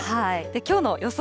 きょうの予想